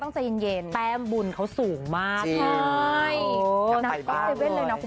เพราะหน้าเรากับเกาหลีไม่เหมือนใคร